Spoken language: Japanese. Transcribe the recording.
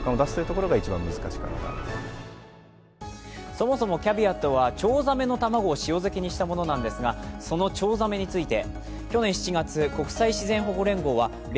そもそもキャビアとはチョウザメの卵を塩漬けにしたものですがそのチョウザメについて。